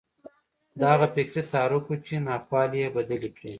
دا هغه فکري تحرک و چې ناخوالې یې بدلې کړې